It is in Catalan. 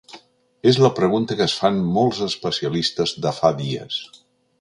És la pregunta que es fan molts especialistes de fa dies.